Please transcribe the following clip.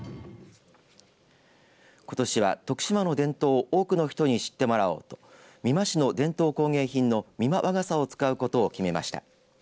ことしは徳島の伝統を多くの人に知ってもらおうと美馬市の伝統工芸品の美馬和傘を使うことを決めました。